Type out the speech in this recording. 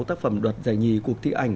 tác phẩm đoạt giải nhì cuộc thi ảnh